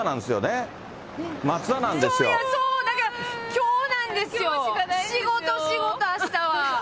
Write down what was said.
そうなんですよ、だからきょうなんですよ、仕事仕事、あしたは。